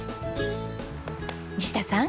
西田さん